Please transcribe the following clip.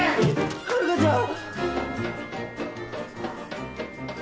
春香ちゃん！